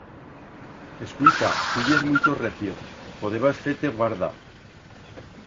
Escuita, tu yes muito recio... Podebas fer-te guarda.